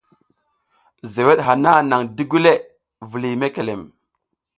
Zeweɗ hana naƞ digule, vuliy mekelem.